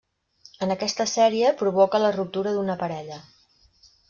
En aquesta sèrie provoca la ruptura d'una parella.